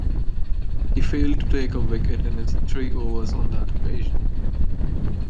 He failed to take a wicket in his three overs on that occasion.